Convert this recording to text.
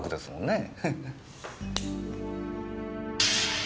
ええ。